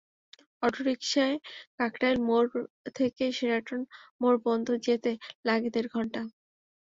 অটোরিকশায় কাকরাইল মোড় থেকে শেরাটন মোড় পর্যন্ত যেতেই লাগে দেড় ঘণ্টা।